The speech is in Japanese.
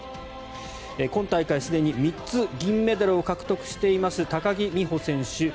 今大会すでに３つ銀メダルを獲得しています高木美帆選手。